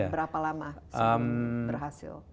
berapa lama seberhasil